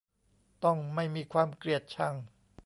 ต้องไม่มีความเกลียดชัง